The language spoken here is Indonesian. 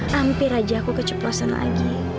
hampir aja aku keceplosan lagi